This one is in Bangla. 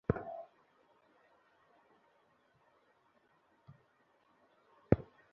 পুলিশ সুপারের মধ্যস্থতায় বাসমালিকেরা গতকাল মঙ্গলবার সকাল থেকে ধর্মঘট প্রত্যাহার করে নেন।